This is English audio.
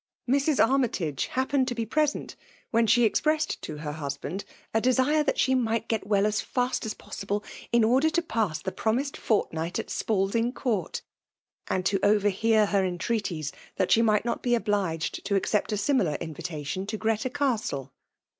Mrs. Armytage happened to be present when she expressed to her hus band a desire that she might get well as fa^t 6 FEllia.£ rouiKATRm. «8 possible, in order to paM tke piomised fjH night at Spalding Court; and to oYerbaar her entreaties that she aught not be obliged to aoecpt a similar invitation to Greta Castie.